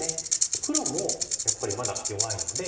黒もやっぱりまだ弱いので。